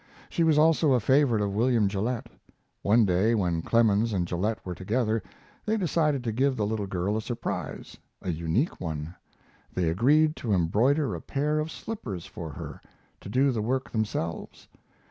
She was also a favorite of William Gillette. One day when Clemens and Gillette were together they decided to give the little girl a surprise a unique one. They agreed to embroider a pair of slippers for her to do the work themselves.